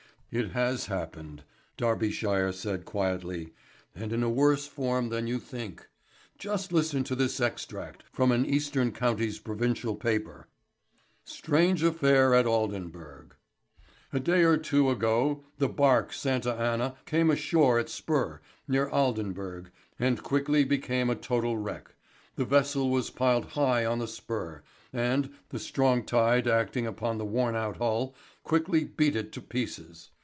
"It has happened," Darbyshire said quietly, "and in a worse form than you think. Just listen to this extract from an eastern counties provincial paper: "'STRANGE AFFAIR AT ALDENBURGH "'A day or two ago the barque Santa Anna came ashore at Spur, near Aldenburgh, and quickly became a total wreck. The vessel was piled high on the Spur, and, the strong tide acting upon the worn out hull, quickly beat it to pieces.